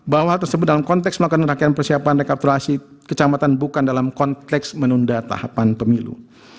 bahwa hal tersebut dalam konteks melakukan rangkaian persiapan rekapitulasi kecamatan bukan dalam konteks menunda tahapan pemilu